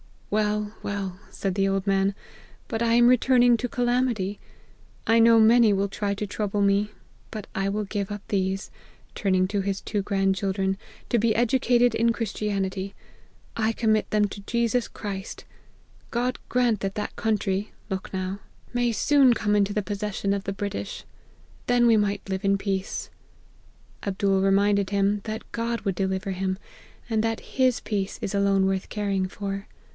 " Well, well,' said the old man ;' but I am re turning to calamity; I know many will try to trouble me ; but I will give up these,' turning to his two grand children, ' to be educated in Christi anity ; I commit them to Jesus Christ ! God grant that that country (Lukhnow) may soon come inte APPENDIX. 221 the possession of the British ! Then we might live in peace.' Abdool reminded him, that God would deliver him, and that His peace is alone worth caring for.